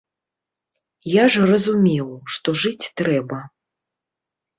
Я ж разумеў, што жыць трэба.